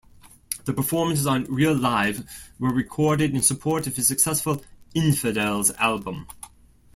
The performances on "Real Live" were recorded in support of his successful "Infidels" album.